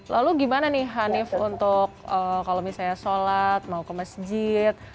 lalu gimana nih hanif untuk kalau misalnya sholat mau ke masjid